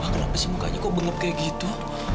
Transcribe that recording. mama kenapa sih mukanya kok bengap kayak gitu